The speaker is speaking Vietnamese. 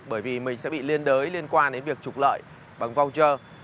bởi vì mình sẽ bị liên đới liên quan đến việc trục lợi bằng voucher